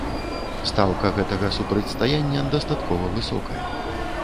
Стаўка гэтага супрацьстаяння дастаткова высокая.